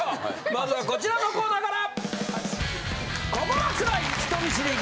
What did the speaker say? まずはこちらのコーナーから！